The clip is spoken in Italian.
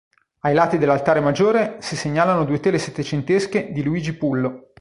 Ai lati dell'altare maggiore si segnalano due tele settecentesche di Luigi Pullo.